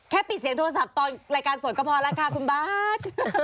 ปิดเสียงโทรศัพท์ตอนรายการสดก็พอแล้วค่ะคุณบาท